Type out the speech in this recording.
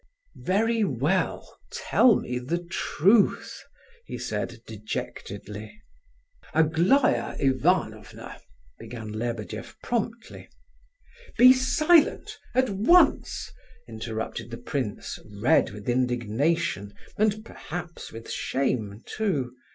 "Very well! Tell me the truth," he said, dejectedly. "Aglaya Ivanovna..." began Lebedeff, promptly. "Be silent! At once!" interrupted the prince, red with indignation, and perhaps with shame, too.